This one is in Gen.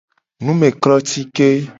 Numeklotike.